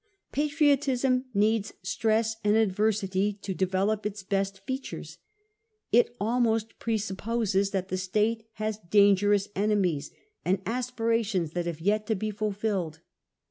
Patriotism needs stress and adversity to develop its best features. It almost presupposes that the state has dangerous enemies, and aspirations that have yet to be fulfilled.